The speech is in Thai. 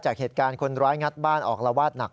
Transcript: จากเหตุการณ์คนร้ายงัดบ้านออกละวาดหนัก